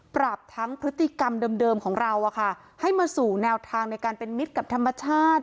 ทั้งพฤติกรรมเดิมของเราให้มาสู่แนวทางในการเป็นมิตรกับธรรมชาติ